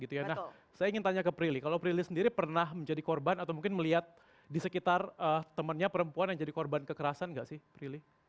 saya ingin tanya ke prilly kalau prilly sendiri pernah menjadi korban atau mungkin melihat di sekitar temannya perempuan yang jadi korban kekerasan gak sih prilly